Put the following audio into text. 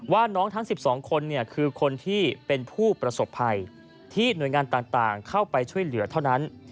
ว่าน้องทั้ง๑๒คนคือคนที่เป็นผู้ประสบภัยที่หน่วยงานต่างเข้าไปช่วยเหลือเท่านั้น